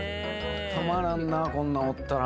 たまらんなこんなんおったら。